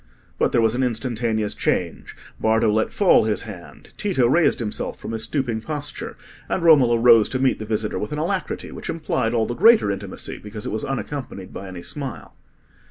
But there was an instantaneous change: Bardo let fall his hand, Tito raised himself from his stooping posture, and Romola rose to meet the visitor with an alacrity which implied all the greater intimacy, because it was unaccompanied by any smile.